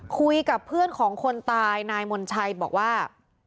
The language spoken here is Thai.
คุยกับเพื่อนของคนตายนายมนชัยบอกว่า